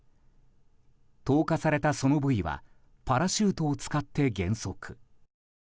投下されたソノブイはパラシュートを使って減速。